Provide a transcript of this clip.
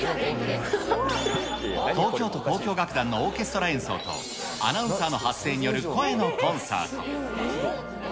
東京都交響楽団のオーケストラ演奏と、アナウンサーの発声による声のコンサート。